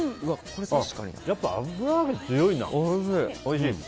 やっぱり油揚げ強いな。